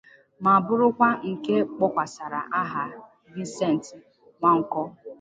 ma bụrụkwa nke a kpọkwasàrà aha Vincent Nwanko.